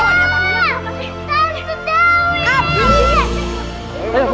bawa dia balik